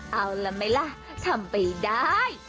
เอาละไหมล่ะทำไปได้